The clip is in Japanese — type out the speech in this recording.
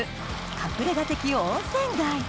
隠れ家的温泉街